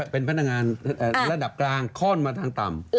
เป็นพนักงานระดับกลางคล่อนมาทางต่ำ